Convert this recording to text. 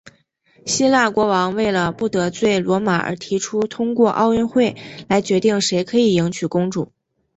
希腊国王为了不得罪罗马而提出通过奥运会来决定谁可以迎娶公主。